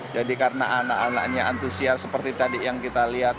jadi karena anak anaknya antusias seperti tadi yang kita lihat